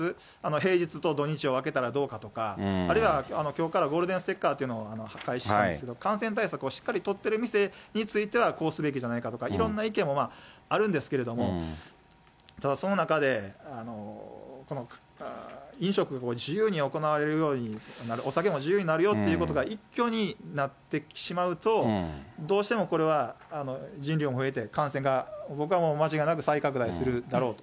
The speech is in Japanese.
平日と土日を分けたらどうかとか、あるいは、きょうからゴールデンステッカーというのを、配布してますけれども、感染対策をしっかり取ってる店については、こうすべきじゃないかとか、いろんな意見もあるんですけれども、ただその中で、飲食を自由に行われるようになる、お酒も自由になるよということが、一挙になってしまうと、どうしても、これは人流も増えて、感染が、僕はもう間違いなく再拡大するだろうと。